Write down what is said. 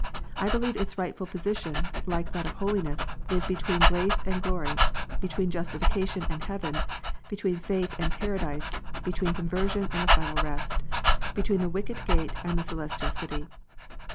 I believe its rightful position, like that of holiness, is between grace and glory, between justification and heaven, between faith and paradise, between conversion and the final rest, between the wicket gate and the celestial city.